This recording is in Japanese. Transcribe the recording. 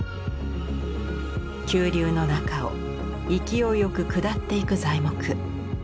急流の中を勢いよく下っていく材木。